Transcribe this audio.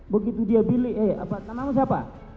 begitu dia beli eh namamu siapa